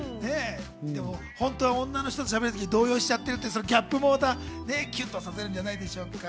本当は女の人としゃべるとき動揺しちゃってるってギャップもキュンとさせるんじゃないでしょうか。